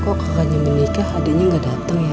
kok kakaknya menikah adiknya gak datang ya